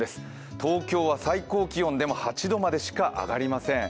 東京は最高気温でも８度までしか上がりません。